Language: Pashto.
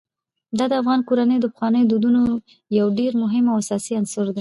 دا د افغان کورنیو د پخوانیو دودونو یو ډېر مهم او اساسي عنصر دی.